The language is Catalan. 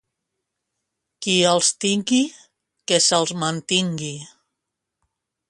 Qui els tingui, que se'ls mantingui.